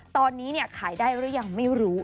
ตอนนี้ขายได้หรือยังไม่รู้